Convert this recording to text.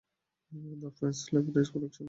The French splatter school action-group.